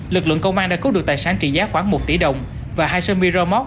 lực lượng công an đã cút được tài sản trị giá khoảng một tỷ đồng và hai xe miramote